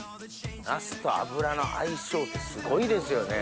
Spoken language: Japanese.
ナスと油の相性ってすごいですよね。